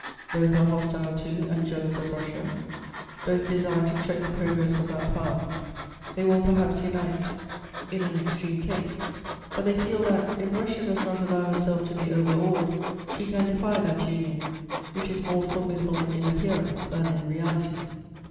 Both are hostile to and jealous of Russia, both desire to check the progress of that Power; they will perhaps unite in an extreme case, but they feel that, if Russia does not allow herself to be overawed, she can defy that union, which is more formidable in appearance than in reality.